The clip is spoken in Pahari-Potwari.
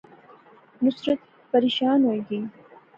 نصرت پریشان ہوئی گئی